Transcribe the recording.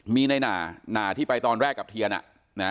ไหนน่าน่าที่ไปตอนแรกกับเคียนน่ะ